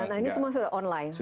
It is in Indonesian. nah ini semua sudah online